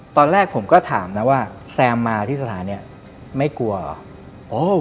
ตอนแรกผมก็ถามนะว่าแซมมาที่สถานีไม่กลัวเหรอ